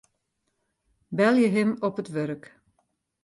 Belje him op it wurk.